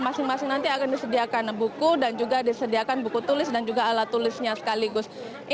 masing masing nanti akan disediakan buku dan juga disediakan buku tulis dan juga alat tulisnya sekaligus